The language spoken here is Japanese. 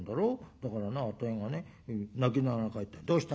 だからなあたいがね泣きながら帰ったら『どうした？